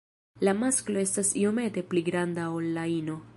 La masklo estas iomete pli granda ol la ino.